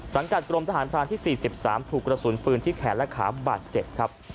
กรมทหารพรานที่๔๓ถูกกระสุนปืนที่แขนและขาบาดเจ็บครับ